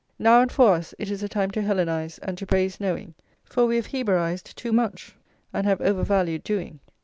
Now, and for us, it is a time to Hellenise, and to praise knowing; for we have Hebraised too much, [lix] and have over valued doing.